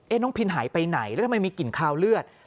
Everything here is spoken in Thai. น้องพินหายไปไหนแล้วทำไมมีกลิ่นคาวเลือด